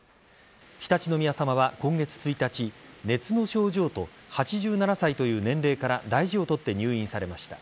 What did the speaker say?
常陸宮さまは今月１日熱の症状と８７歳という年齢から大事を取って入院されました。